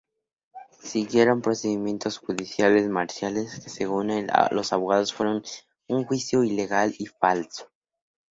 Siguieron procedimientos judiciales marciales que, según los abogados, fueron un juicio ilegal y falso.